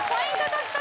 獲得